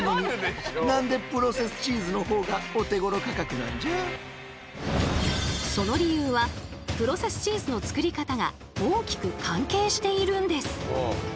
それにしてもその理由はプロセスチーズの作り方が大きく関係しているんです。